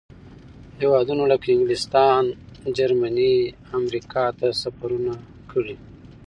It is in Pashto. هېوادونو لکه انګلستان، جرمني، امریکا ته سفرونه کړي.